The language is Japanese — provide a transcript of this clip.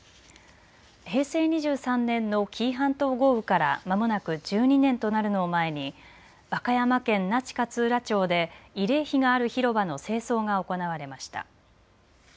平成２３年の紀伊半島豪雨からまもなく１２年となるのを前に和歌山県那智勝浦町で慰霊碑がある広場の清掃が行われました。